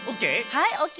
はいＯＫ！